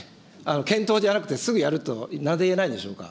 検討じゃなくて、すぐやるとなぜ言えないのでしょうか。